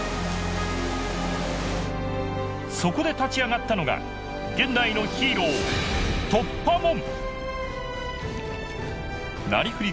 そこで立ち上がったのが現代のヒーローなりふり